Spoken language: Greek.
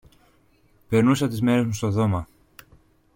Περνούσα τις μέρες μου στο δώμα